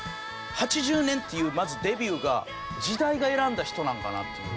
８０年っていうまずデビューが時代が選んだ人なんかなっていう。